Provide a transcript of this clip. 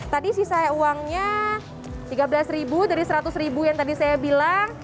tadi sisa uangnya rp tiga belas dari rp seratus yang tadi saya bilang